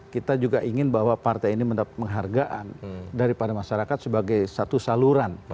kita juga ingin bahwa partai ini mendapat penghargaan daripada masyarakat sebagai satu saluran